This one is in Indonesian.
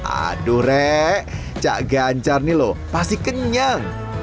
aduh rek cak ganjar nih loh pasti kenyang